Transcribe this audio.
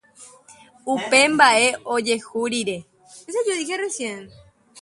upe mba'e ojehu rire